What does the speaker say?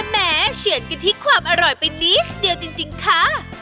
แม่เฉียนกันที่ความอร่อยเป็นลิสต์เดียวจริงคะ